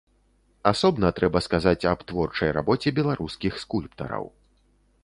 Асобна трэба сказаць аб творчай рабоце беларускіх скульптараў.